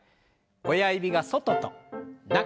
親指が外と中。